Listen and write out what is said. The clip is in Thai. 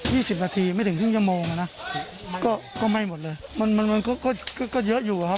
สิบนาทีไม่ถึงครึ่งชั่วโมงอ่ะนะก็ก็ไหม้หมดเลยมันมันมันก็ก็ก็เยอะอยู่อะครับ